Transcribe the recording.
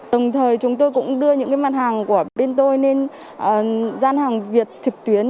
đồng thời chúng tôi cũng đưa những mặt hàng của bên tôi nên gian hàng việt trực tuyến